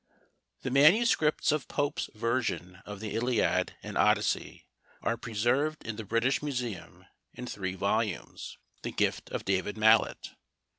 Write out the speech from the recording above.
The manuscripts of Pope's version of the Iliad and Odyssey are preserved in the British Museum in three volumes, the gift of David Mallet.